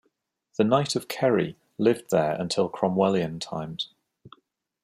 The Knight of Kerry lived there until Cromwellian times.